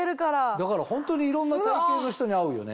だから本当にいろんな体形の人に合うよね。